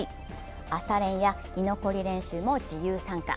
朝練や居残り練習も自由参加。